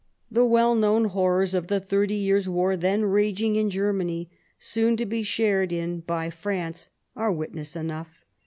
The well known horrors of the Thirty Years War, then raging in Germany, soon to be shared in by France, are witness enough.